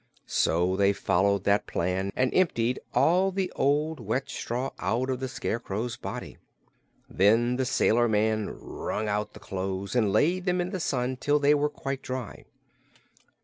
So they followed that plan and emptied all the old, wet straw out of the Scarecrow's body. Then the sailor man wrung out the clothes and laid them in the sun till they were quite dry.